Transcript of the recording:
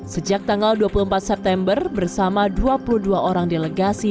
sejak tanggal dua puluh empat september bersama dua puluh dua orang delegasi